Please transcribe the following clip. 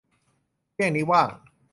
เที่ยงนี้ว่าง